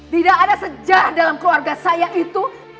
tidak ada sejarah dalam keluarga saya itu